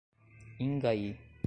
Ingaí